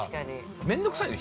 面倒くさいの？